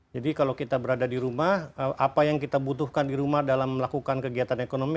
jadi kalau kita berada di rumah apa yang kita butuhkan di rumah dalam melakukan kegiatan ekonomi